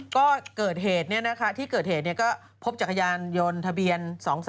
ก็เกิดเหตุที่เกิดเหตุก็พบจักรยานยนต์ทะเบียน๒๓